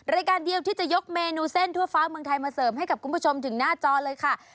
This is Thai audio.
รายการเดียวที่จะยกเมนูเส้นทั่วฟ้าเมืองไทยมาเสริมให้กับคุณผู้ชมถึงหน้าจอเลยค่ะ